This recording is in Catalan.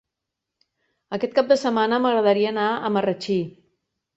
Aquest cap de setmana m'agradaria anar a Marratxí.